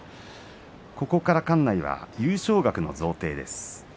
ここから館内は優勝額の贈呈です。